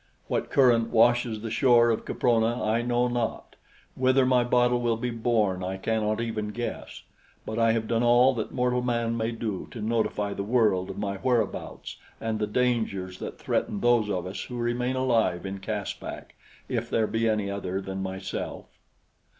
What current washes the shore of Caprona I know not; whither my bottle will be borne I cannot even guess; but I have done all that mortal man may do to notify the world of my whereabouts and the dangers that threaten those of us who remain alive in Caspak if there be any other than myself.